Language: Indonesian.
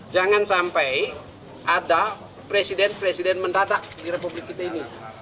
jangan sampai ada presiden presiden mendadak di republik kita ini